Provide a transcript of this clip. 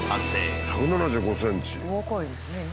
お若いですね。